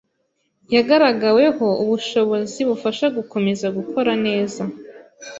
yagaragaweho ubushobozi bufasha gukomeza gukora neza